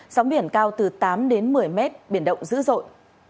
sóng biển cao từ tám đến một mươi mét biển động dữ dội